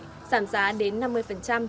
giảm giá đến năm mươi